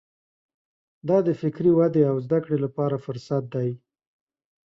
دا د فکري ودې او زده کړې لپاره فرصت دی.